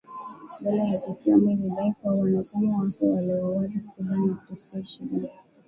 Dola ya kiislamu lilidai kuwa wanachama wake waliwauwa takribani wakristo ishirini.